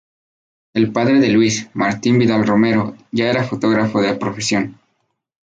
El padre de Luis, Martín Vidal Romero, ya era fotógrafo de profesión.